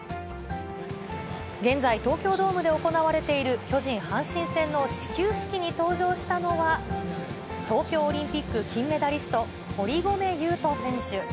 現在、東京ドームで行われている巨人・阪神戦の始球式に登場したのは、東京オリンピック金メダリスト、堀米雄斗選手。